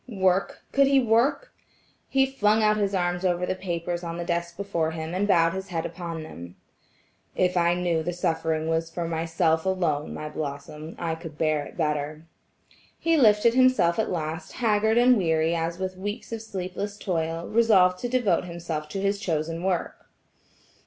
Work! Could he work? He flung out his arms over the papers on the desk before him, and bowed his head upon them. "If I knew that the suffering was for myself alone, my Blossom, I could bear it better." He lifted himself at last haggard and weary as with weeks of sleepless toil, resolved to devote himself to his chosen work.